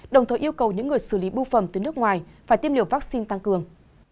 đồng thời yêu cầu những người xử lý bưu phẩm từ nước ngoài phải tiêm liều vaccine tăng cường